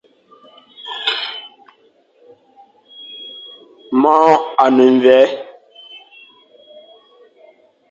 Môr a ne mvè.